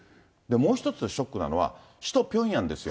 もう１つショックなのは首都ピョンヤンですよ。